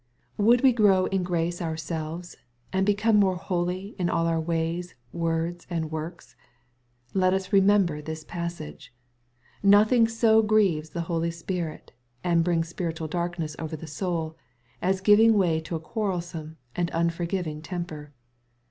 Would we grow in grace ourselves, and become more holy in all our ways, words, and works ? Let us re member this passage. — nothing so grieves tho Holy Spirit, and brings spiritual darkness over the soul, as giving way to a quarrelsome and unforgiving temper.